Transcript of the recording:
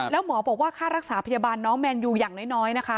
แล้วหมอบอกว่าค่ารักษาพยาบาลน้องแมนยูอย่างน้อยนะคะ